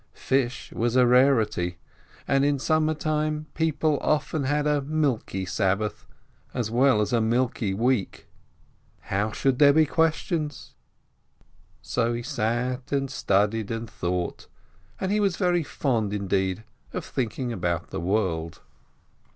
Fish was a rarity, and in summer time people often had a "milky Sabbath," as well as a milky week. How should there be "questions" ? So he sat and studied and thought, and he was very fond indeed of thinking about the world